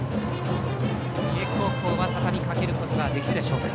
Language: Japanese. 三重高校はたたみかけることができるでしょうか。